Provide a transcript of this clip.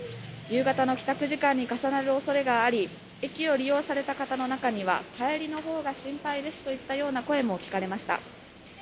夕方の帰宅時間に重なる恐れがあり駅を利用される方の中には帰りのほうが心配ですという声も聞かれました。